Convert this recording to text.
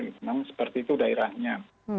memang seperti itu daerahnya